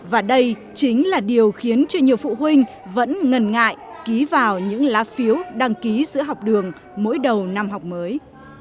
và đây chính là điều khiến cho nhiều phụ huynh vẫn ngần ngại ký vào những lá phiếu đăng ký giữa học đường mỗi đầu năm học mới